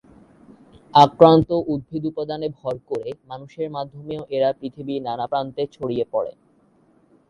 আক্রান্ত উদ্ভিদ-উপাদানে ভর করে মানুষের মাধ্যমেও এরা পৃথিবীর নানা প্রান্তে ছড়িয়ে পড়ে।